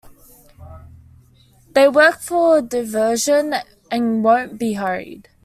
They work for diversion and won't be hurried.